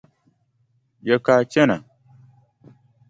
Ya ka a chana?